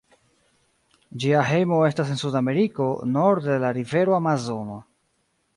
Ĝia hejmo estas en Sudameriko, norde de la rivero Amazono.